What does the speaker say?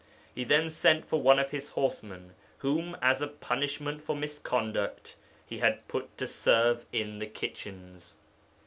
He then sent for one of his horsemen whom, as a punishment for misconduct, he had put to serve in the kitchens.